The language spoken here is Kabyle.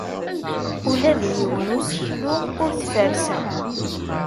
Ula d yiwen n useklu ur t-ferrseɣ.